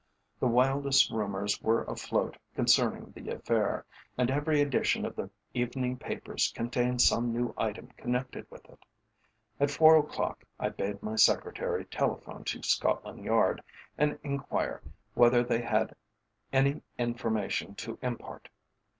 The wildest rumours were afloat concerning the affair, and every edition of the evening papers contained some new item connected with it. At four o'clock I bade my secretary telephone to Scotland Yard and enquire whether they had any information to impart.